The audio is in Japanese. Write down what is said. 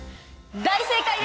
大正解です！